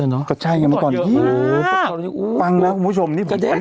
เนอะก็ใช่ไงเมื่อก่อนเยอะมากฟังแล้วคุณผู้ชมนี่กระแดก